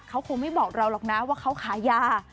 เขาคงไม่บอกเราหรอกนะว่าเขาขายยา